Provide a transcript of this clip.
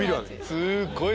すごい！